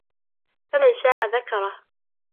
فمن شاء ذكره